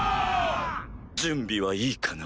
準備はいいかな？